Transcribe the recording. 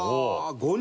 ５人。